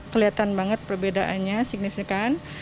kelihatan banget perbedaannya signifikan